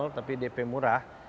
dp tapi dp murah